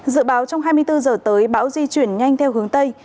dự báo trong hai mươi bốn giờ tới bão di chuyển nhanh theo hướng tây